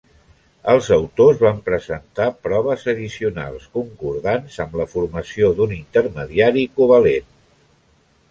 Els autors van presentar proves addicionals concordants amb la formació d'un intermediari covalent.